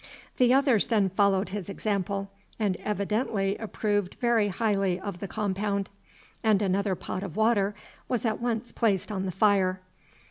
The others then followed his example, and evidently approved very highly of the compound, and another pot of water was at once placed on the fire.